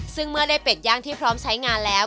ซึ่งเมื่อได้เป็ดย่างที่พร้อมใช้งานแล้ว